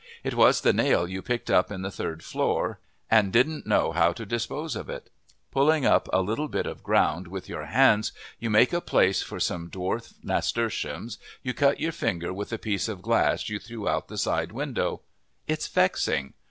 It was the nail you picked up in the third floor and didn't know how to dispose of it. Pulling up a little bit of ground with your hands, to make a place for some dwarf nasturtium, you cut your finger with the piece of glass you threw out the side window. It's vexing.